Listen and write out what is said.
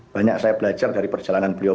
banyak saya belajar dari perjalanan beliau